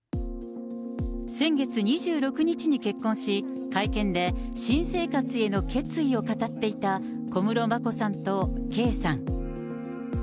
先月２６日に結婚し、会見で新生活への決意を語っていた、小室眞子さんと圭さん。